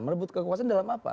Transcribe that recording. merebut kekuasaan dalam apa